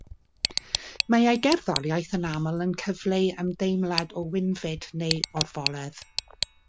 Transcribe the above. Mae ei gerddoriaeth yn aml yn cyfleu ymdeimlad o wynfyd neu orfoledd.